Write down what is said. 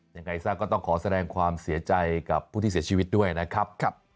ยังไงซะก็ต้องขอแสดงความเสียใจกับผู้ที่เสียชีวิตด้วยนะครับ